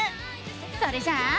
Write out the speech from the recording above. それじゃあ。